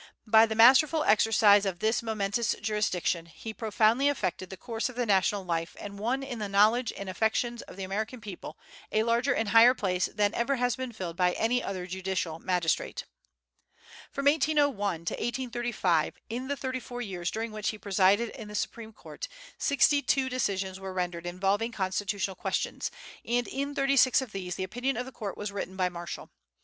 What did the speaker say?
By the masterful exercise of this momentous jurisdiction, he profoundly affected the course of the national life and won in the knowledge and affections of the American people a larger and higher place than ever has been filled by any other judicial magistrate. From 1801 to 1835, in the thirty four years during which he presided in the Supreme Court, sixty two decisions were rendered involving constitutional questions, and in thirty six of these the opinion of the court was written by Marshall.